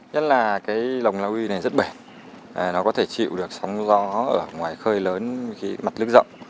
nhất là lồng la uy này rất bể nó có thể chịu được sóng gió ở ngoài khơi lớn mặt nước rộng